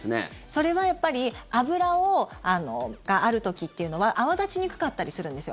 それはやっぱり脂がある時っていうのは泡立ちにくかったりするんです。